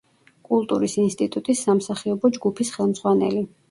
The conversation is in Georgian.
კულტურის ინსტიტუტის სამსახიობო ჯგუფის ხელმძღვანელი.